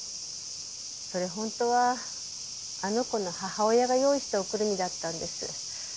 それ本当はあの子の母親が用意したおくるみだったんです。